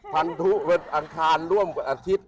พันธุอังคารร่วมอาทิตย์